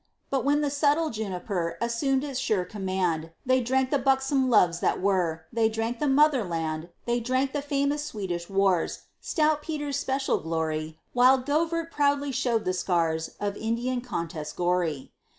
But when the subtle juniper Assumed its sure command, They drank the buxom loves that were, They drank the Motherland; They drank the famous Swedish wars, Stout Peter's special glory, While Govert proudly showed the scars Of Indian contests gory.